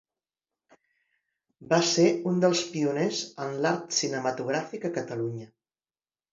Va ser un dels pioners en l’art cinematogràfic a Catalunya.